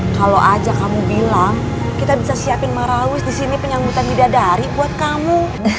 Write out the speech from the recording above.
kalau aja kamu bilang kita bisa siapin marawis disini penyambutan didadari buat kamu